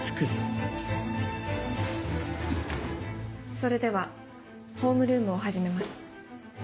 それではホームルームを始めます。